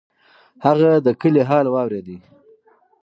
هغه د کلي حال واورېد.